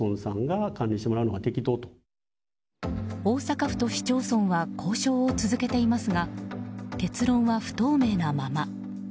大阪府と市町村は交渉を続けていますが結論は不透明なまま。